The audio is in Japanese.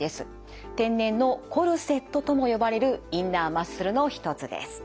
天然のコルセットとも呼ばれるインナーマッスルの一つです。